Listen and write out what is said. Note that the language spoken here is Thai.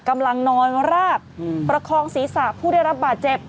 กำลังนอนราบประคองศีรษะผู้ได้รับบาดเจ็บ